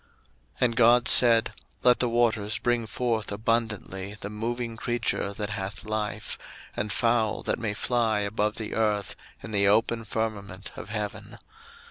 01:001:020 And God said, Let the waters bring forth abundantly the moving creature that hath life, and fowl that may fly above the earth in the open firmament of heaven.